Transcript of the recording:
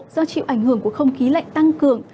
do chịu ảnh hưởng của không khí lạnh tăng cường